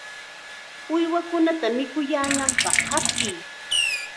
¡Uywakunata mikuyaananpaq qatiy!